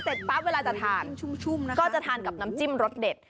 เสร็จปั๊บเวลาจะทานก็จะทานกับน้ำจิ้มรสเด็ด